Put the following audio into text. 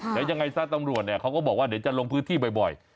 หรือยังไงซะตำรวจเขาก็บอกว่าเดี๋ยวจะลงพื้นที่บ่อย